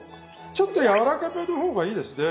ちょっと柔らかめの方がいいですね。